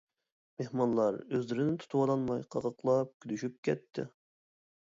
مېھمانلار ئۆزلىرىنى تۇتۇۋالالماي قاقاقلاپ كۈلۈشۈپ كەتتى.